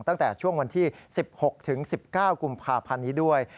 ตั้งแต่ช่วงวันที่๑๖ถึง๑๙กุมภาพันธ์นี้ด้วย